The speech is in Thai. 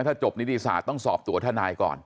ถ้าจบนิติศาสตร์ต้องสอบตัวทนายก่อน